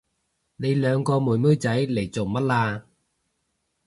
你兩個妹妹仔嚟做乜啊？